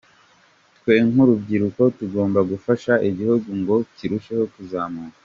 Twe nk’urubyiruko tugomba gufasha igihugu ngo kirusheho kuzamuka.